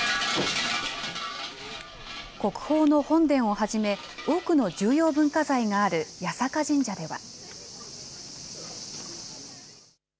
国宝の本殿をはじめ、多くの重要文化財がある八坂神社では。